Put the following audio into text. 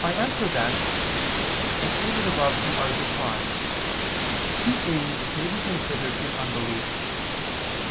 I answer that, As stated above (A. 5), two things may be considered in unbelief.